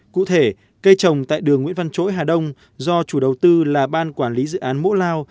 cụ thể cây trồng tại đường nguyễn văn chỗi hà đông do chủ đầu tư là ban quản lý dự án mũ lao